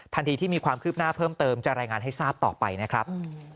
ทันทีที่มีความคืบหน้าเพิ่มเติมจะรายงานให้ทราบต่อไปนะครับ